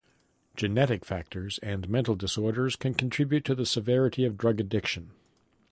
Genetic factors and mental disorders can contribute to the severity of drug addiction.